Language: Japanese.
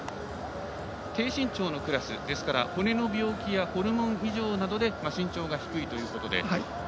低身長のクラスですから骨の病気やホルモン異常などで身長が低いということで。